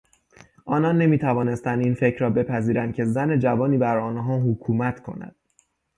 آنان نمیتوانستند این فکر را بپذیرند که زن جوانی بر آنها حکومت کند.